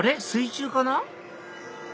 水中かな？